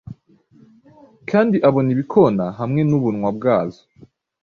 Kandi abona ibikona hamwe nubunwa bwazo